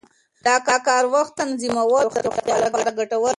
د کار وخت تنظیمول د روغتیا لپاره ګټور دي.